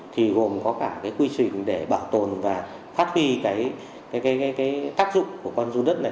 thì gồm có cả quy trình để bảo tồn và phát huy tác dụng của con run đất này